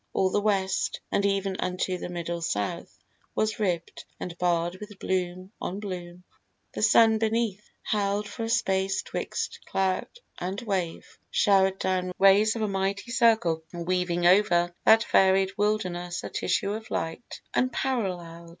All the West, And even unto the middle South, was ribb'd And barr'd with bloom on bloom. The sun beneath, Held for a space 'twixt cloud and wave, shower'd down Rays of a mighty circle, weaving over That varied wilderness a tissue of light Unparallel'd.